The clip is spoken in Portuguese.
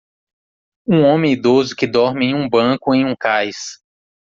Um homem idoso que dorme em um banco em um cais.